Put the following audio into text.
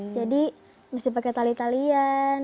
jadi mesti pakai tali talian